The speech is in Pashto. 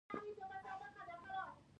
ازادي راډیو د اطلاعاتی تکنالوژي ته پام اړولی.